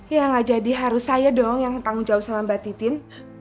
ya gak jadi harus saya dong yang tanggung jawab sama mbak titin